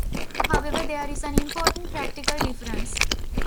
However there is an important practical difference.